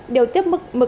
đều tiếp mực mực